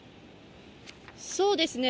そうですね。